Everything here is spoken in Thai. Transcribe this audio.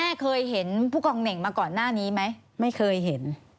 คุณแม่เคยเห็นพุกรองหน่ามาก่อนหน้านี้มั้ยไม่เคยเห็น